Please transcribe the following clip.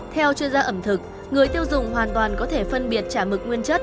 theo chuyên gia ẩm thực người tiêu dùng hoàn toàn có thể phân biệt chả mực nguyên chất